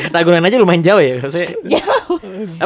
ragunan aja lumayan jauh ya